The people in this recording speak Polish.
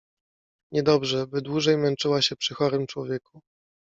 Niedobrze, by dłużej męczyła się przy chorym człowieku.